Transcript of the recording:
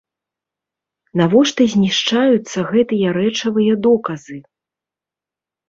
Навошта знішчаюцца гэтыя рэчавыя доказы?